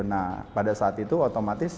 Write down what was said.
nah pada saat itu otomatis